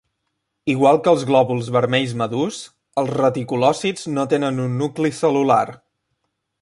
Igual que els glòbuls vermells madurs, els reticulòcits no tenen un nucli cel·lular.